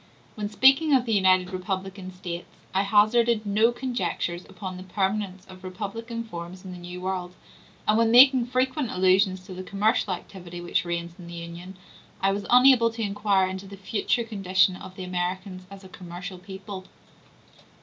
When speaking of the united republican States, I hazarded no conjectures upon the permanence of republican forms in the New World, and when making frequent allusion to the commercial activity which reigns in the Union, I was unable to inquire into the future condition of the Americans as a commercial people.